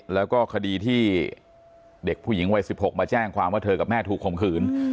แล้วก็คดีที่เด็กผู้หญิงวัย๑๖มาแจ้งความว่าเธอกับแม่ถูกข่มขืน